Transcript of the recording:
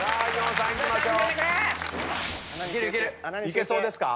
いけそうですか？